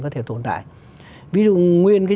có thể tồn tại ví dụ nguyên cái